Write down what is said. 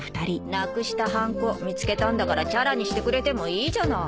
なくしたハンコ見つけたんだからチャラにしてくれてもいいじゃない。